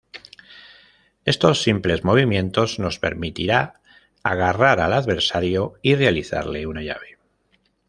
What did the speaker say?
Estos simples movimientos nos permitirá agarrar al adversario y realizarle una llave.